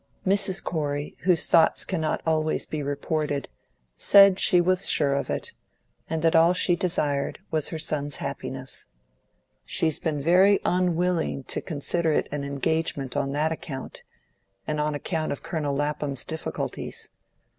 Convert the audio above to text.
Mrs. Corey, whose thoughts cannot always be reported, said she was sure of it, and that all she desired was her son's happiness. "She's been very unwilling to consider it an engagement on that account, and on account of Colonel Lapham's difficulties.